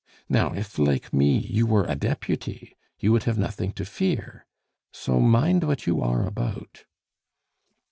Now if, like me, you were a Deputy, you would have nothing to fear; so mind what you are about."